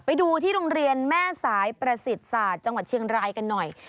ไปดูที่โรงเรียนแม่สายประสิทธิ์ศาสตร์จังหวัดเชียงรายกันหน่อย